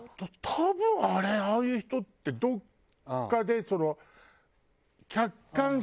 多分あれああいう人ってどこかで。